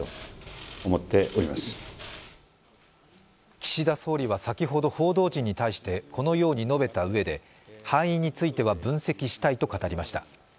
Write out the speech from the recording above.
岸田総理は先ほど報道陣に対してこのように述べたうえで敗因については分析したいと語りました。